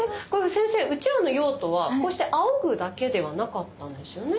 先生うちわの用途はこうしてあおぐだけではなかったんですよね？